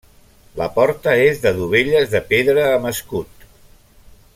La porta és de dovelles de pedra amb escut.